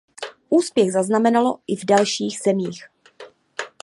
Úspěch zaznamenalo i v dalších zemích.